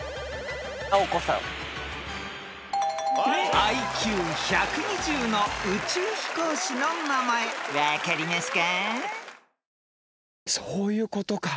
［ＩＱ１２０の宇宙飛行士の名前分かりますか？］